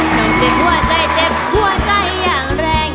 หนูเจ็บหัวใจเจ็บหัวใจอย่างแรง